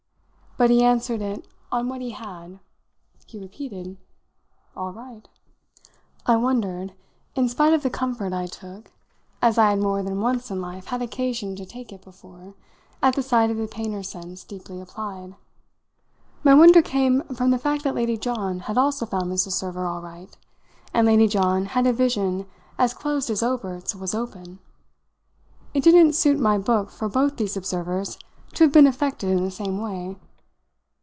But he answered it on what he had; he repeated: "All right." I wondered, in spite of the comfort I took, as I had more than once in life had occasion to take it before, at the sight of the painter sense deeply applied. My wonder came from the fact that Lady John had also found Mrs. Server all right, and Lady John had a vision as closed as Obert's was open. It didn't suit my book for both these observers to have been affected in the same way.